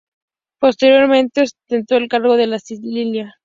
Posteriormente ostentó el cargo de de Sicilia.